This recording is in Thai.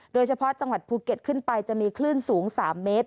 โดยเฉพาะจังหวัดภูเก็ตขึ้นไปจะมีคลื่นสูง๓เมตร